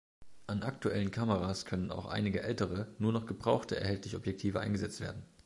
An aktuellen Kameras können auch einige ältere, nur noch gebraucht erhältliche Objektive eingesetzt werden.